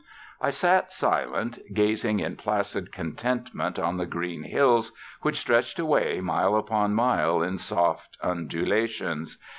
I sat silent, gazing in placid contentment on the green hills which stretched away mile upon mile in soft undulations.